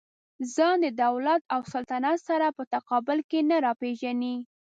ځان د دولت او سلطنت سره په تقابل کې نه راپېژني.